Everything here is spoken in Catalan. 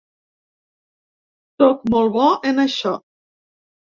Sóc molt bo en això.